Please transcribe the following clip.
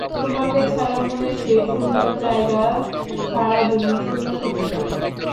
তোমাকে ছাড়া মনের সেই শূন্য জায়গা সারা জীবন শূন্য থেকে যাবে।